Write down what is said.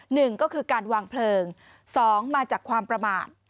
หนึ่งก็คือการวางเพลิงสองมาจากความประมาท